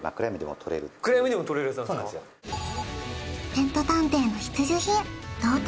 ペット探偵の必需品動体